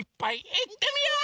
いってみよう！